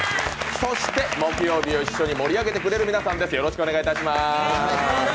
そして木曜日を一緒に盛り上げてくれる皆さんです。